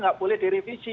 nggak boleh direvisi